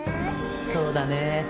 そうだね。